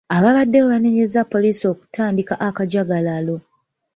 Abaabaddewo baanenyeza poliisi okutandika akajagalalo.